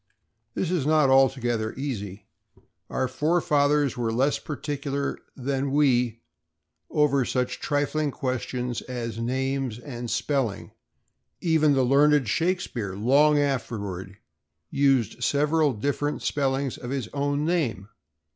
This is not altogether easy. Our forefathers were less particular than we over such trifling questions as names and spelling—even the learned Shakespeare, long afterward, used several different spellings of his own name.